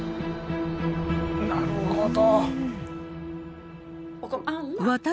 なるほど。